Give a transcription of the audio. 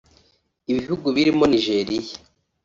Ibihugu birimo Nigeria